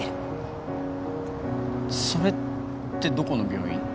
それってどこの病院？